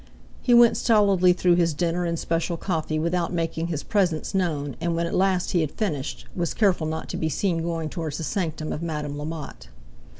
He went stolidly through his dinner and special coffee without making his presence known, and when at last he had finished, was careful not to be seen going towards the sanctum of Madame Lamotte.